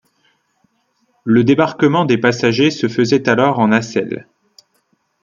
Le débarquement des passagers se faisait alors en nacelle.